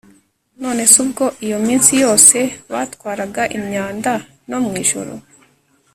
nonese ubwo iyo minsi yose batwaraga imyanda no mwijoro!